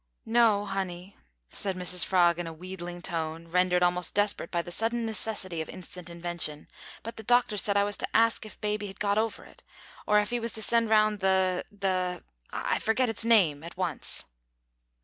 "No, honey," said Mrs Frog in a wheedling tone, rendered almost desperate by the sudden necessity for instant invention, "but the doctor said I was to ask if baby had got over it, or if 'e was to send round the the I forget its name at once."